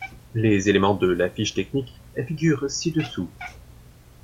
Les éléments de la fiche technique figurent ci-dessous.